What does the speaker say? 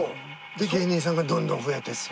で芸人さんがどんどん増えてって。